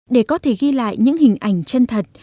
để có thể ghi lại những hình ảnh chân thật